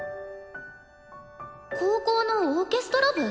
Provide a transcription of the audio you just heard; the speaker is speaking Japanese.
高校のオーケストラ部？